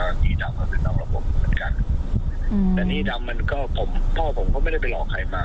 หนี้ดำก็เป็นหนองเรากันเหมือนกันแต่หนี้ดำมาพ่อผมก็ไม่ได้ไปหลอกใครมา